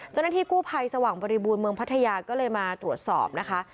เจ้าหน้าที่กู้ภัยสว่างบริบูรณ์เมืองพัทยาก็เลยมาตรวจสอบนะคะ